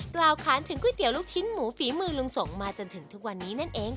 กล่าวค้านถึงก๋วยเตี๋ยวลูกชิ้นหมูฝีมือลุงสงฆ์มาจนถึงทุกวันนี้นั่นเอง